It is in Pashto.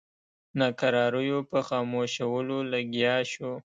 ناکراریو په خاموشولو لګیا شو.